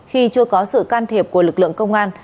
khi chưa có sự can thiệp của lực lượng công an